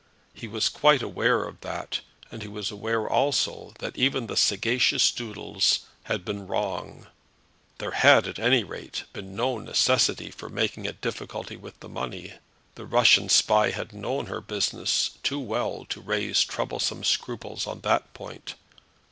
He was quite aware of that, and he was aware also that even the sagacious Doodles had been wrong. There had, at any rate, been no necessity for making a difficulty about the money. The Russian spy had known her business too well to raise troublesome scruples on that point.